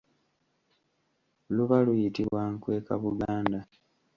Luba luyitibwa nkwekabuganda.